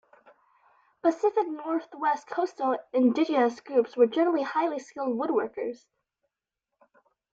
Pacific Northwest Coastal indigenous groups were generally highly skilled woodworkers.